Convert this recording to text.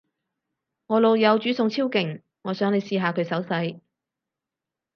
我老友煮餸超勁，我想你試下佢手勢